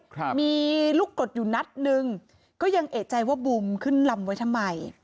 ครับมีลูกกรดอยู่นัดหนึ่งก็ยังเอกใจว่าบูมขึ้นลำไว้ทำไม